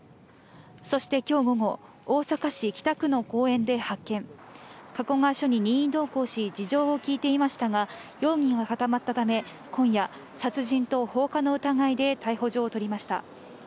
そして今日も大阪市北区の公園で発見、加古川署に任意同行し、事情を聞いていましたが、容疑が固まったため、今夜、殺人等放火の疑いで逮捕状を取りました。